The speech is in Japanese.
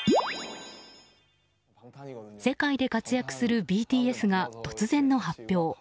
世界で活躍するＢＴＳが突然の発表。